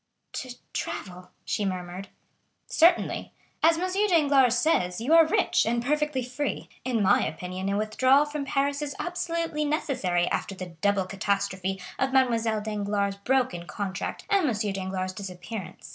"To travel!" she murmured. "Certainly; as M. Danglars says, you are rich, and perfectly free. In my opinion, a withdrawal from Paris is absolutely necessary after the double catastrophe of Mademoiselle Danglars' broken contract and M. Danglars' disappearance.